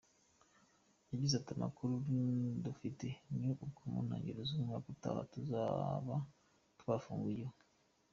Yagize ati “Amakuru dufite ni uko mu ntangiriro z’umwaka utaha tuzaba twafungiwe.